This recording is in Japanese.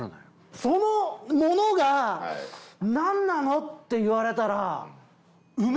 そのものが何なの？って言われたら梅？